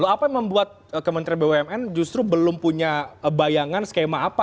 apa yang membuat kementerian bumn justru belum punya bayangan skema apa